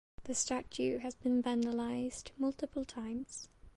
The statue has been vandalized multiple times.